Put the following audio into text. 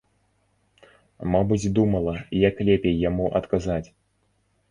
Мабыць, думала, як лепей яму адказаць.